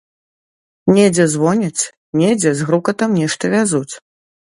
Недзе звоняць, недзе з грукатам нешта вязуць.